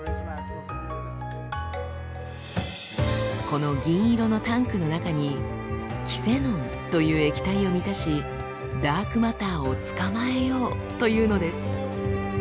この銀色のタンクの中にキセノンという液体を満たしダークマターを捕まえようというのです。